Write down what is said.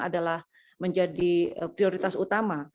adalah menjadi prioritas utama